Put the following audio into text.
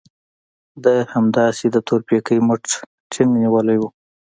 ده هماغسې د تورپيکۍ مټ ټينګ نيولی و.